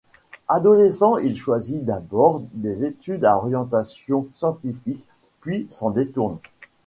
Adolescent, il choisit d’abord des études à orientation scientifique puis s’en détourne.